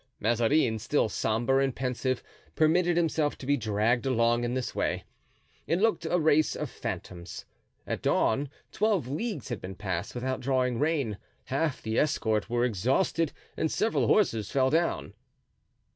Mazarin, still sombre and pensive, permitted himself to be dragged along in this way; it looked a race of phantoms. At dawn twelve leagues had been passed without drawing rein; half the escort were exhausted and several horses fell down.